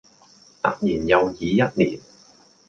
突然又已一年